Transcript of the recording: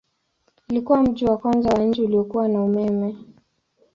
Ilikuwa mji wa kwanza wa nchi uliokuwa na umeme.